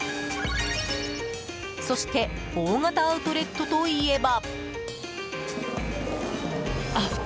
そして大型アウトレットといえば。